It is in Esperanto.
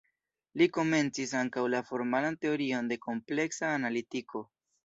Li komencis ankaŭ la formalan teorion de kompleksa analitiko.